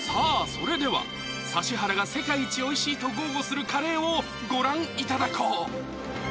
それでは指原が世界一美味しいと豪語するカレーをご覧いただこう！